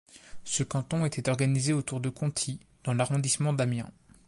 Ce canton était organisé autour de Conty dans l'arrondissement d'Amiens.